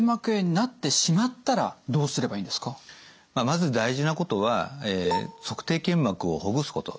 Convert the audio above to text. まず大事なことは足底腱膜をほぐすこと。